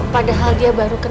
padahal dia masih di rumah